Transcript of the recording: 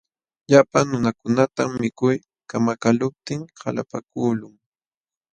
Llapa nunakunatam mikuy kamakaqluptin qalapaakuqlun.